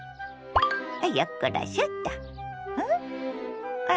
よっこらしょっと。